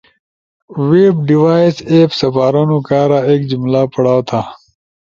ویپ ڈیوائس ایپس سپارونو کارا ایک جملہ پڑاؤ تھا